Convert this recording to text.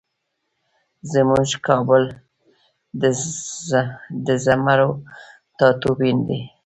زمونږ کابل د زمرو ټاټوبی دی